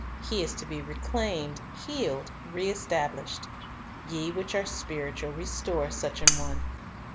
He is to be reclaimed, healed, re established. "Ye which are spiritual, restore such a one."